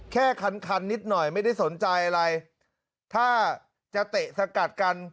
แค่คันคันนิดหน่อยไม่ได้สนใจอะไรถ้าจะเตะสกัดกัน